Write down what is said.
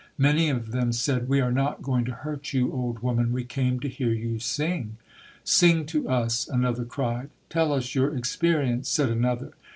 Many of them said, "We are not going to hurt you, old woman. We came to hear you sing". "Sing to us", another cried. "Tell us your experience", said another.